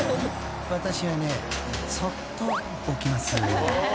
［私はねそっと置きます］